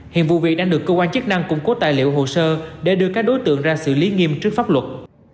hiện vụ việc đang được cơ quan chức năng củng cố tài liệu hồ sơ để đưa các đối tượng ra xử lý nghiêm trước pháp luật